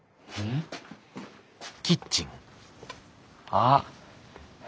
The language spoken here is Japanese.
あっ。